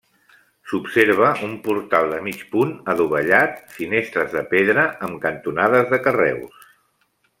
S'observa un portal de mig punt adovellat, finestres de pedra amb cantonades de carreus.